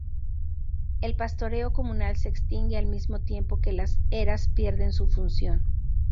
El pastoreo comunal se extingue al mismo tiempo que las eras pierden su función.